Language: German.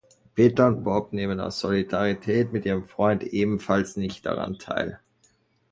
Peter und Bob nehmen aus Solidarität mit ihrem Freund ebenfalls nicht daran teil.